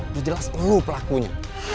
dijelas lo pelakunya